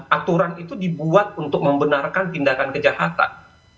aturan itu dibuat untuk membenarkan tindakan kejahatan